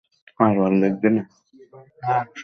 অন্তত নিজের থেকে না।